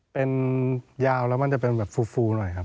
เป็นยาวแล้วมันจะเป็นแบบฟูหน่อยครับ